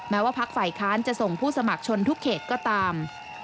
ว่าพักฝ่ายค้านจะส่งผู้สมัครชนทุกเขตก็ตาม